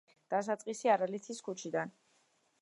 დასაწყისი არალეთის ქუჩიდან.